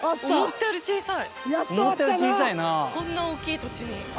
こんな大きい土地に。